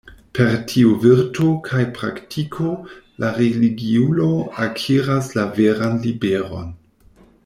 Per tiu virto kaj praktiko la religiulo akiras la veran liberon.